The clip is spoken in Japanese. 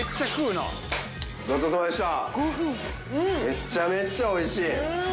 めっちゃめっちゃおいしい。